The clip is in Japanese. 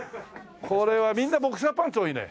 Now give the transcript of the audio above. これはみんなボクサーパンツが多いね。